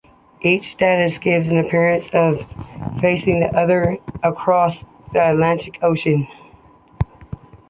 Each statue gives the appearance of facing the other across the Atlantic Ocean.